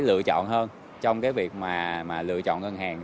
lựa chọn hơn trong cái việc mà lựa chọn ngân hàng